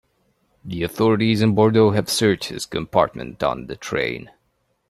The authorities in Bordeaux have searched his compartment on the train.